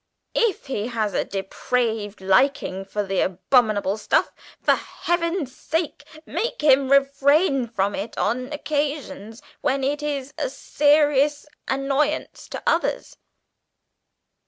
If he has a depraved liking for the abominable stuff, for Heaven's sake make him refrain from it on occasions when it is a serious annoyance to others!"